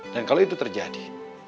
dan kalau itu terjadi